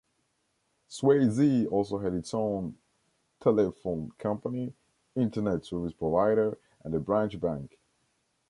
Swayzee also has its own telephone company, internet service provider and a branch bank.